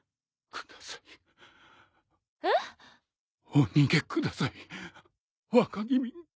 お逃げください若君。